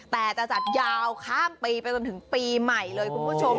แต่จะจัดยาวข้ามปีไปจนถึงปีใหม่เลยคุณผู้ชม